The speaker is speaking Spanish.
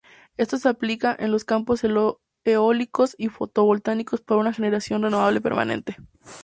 Esto es aplicable a los campos eólicos y fotovoltaicos para una generación renovable permanente.